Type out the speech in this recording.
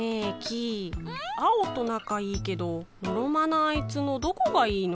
ん？アオとなかいいけどのろまなあいつのどこがいいの？